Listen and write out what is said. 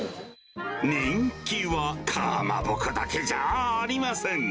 人気は、かまぼこだけじゃありません。